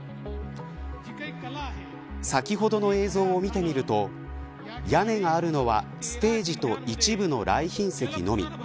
先ほどの映像を見てみると屋根があるのはステージと一部の来賓席のみ。